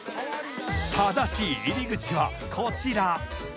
正しい入り口はこちら。